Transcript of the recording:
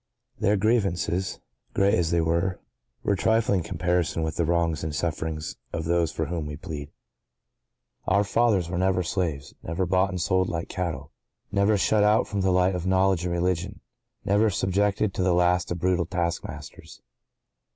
(¶ 6) Their grievances, great as they were, were trifling in comparison with the wrongs and sufferings of those for whom we plead. Our fathers were never slaves—never bought and sold like cattle—never shut out from the light of knowledge and religion—never subjected to the last of brutal taskmasters.